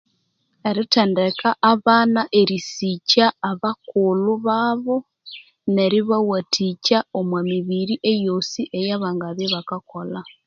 Erithendeka abana erisikya abakulhu babo neri bawathikya omwa mibiri eyosi eya bangabya ibakakolha